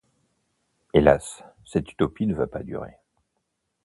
Hélas cette utopie ne va pas durer.